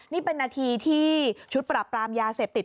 นี่เป็นนาทีที่ชุดปรับปรามยาเสพติด